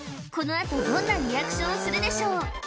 このあとどんなリアクションをするでしょう？